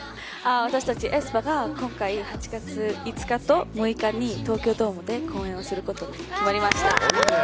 私たちａｅｓｐａが今回８月５日と６日に、東京ドームで公演をすることに決まりまし